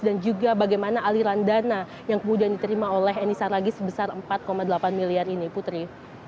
dan juga bagaimana aliran dana yang kemudian diterima oleh enisa ragih sebesar empat delapan miliar ini putri